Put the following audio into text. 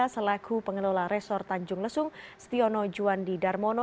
selaku pengelola resor tanjung lesung stiono juwandi darmono